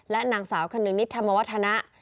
และนางสาวคนนึงนิดธรรมวัฒนะ